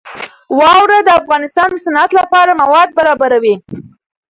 واوره د افغانستان د صنعت لپاره مواد برابروي.